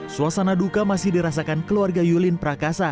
suasana duka masih dirasakan keluarga yulin prakasa